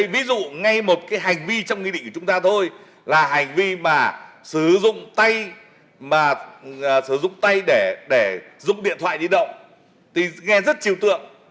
ví dụ ngay một hành vi trong nghị định của chúng ta thôi là hành vi mà sử dụng tay để dùng điện thoại đi động thì nghe rất chiều tượng